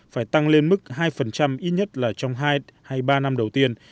phải tăng lên mức hai ít nhất là trong hay ba năm đầu tiên